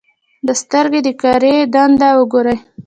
د سترګې د کرې دننه وګورئ.